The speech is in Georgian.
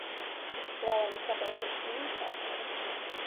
მრავალი საბავშვო წიგნის ავტორი.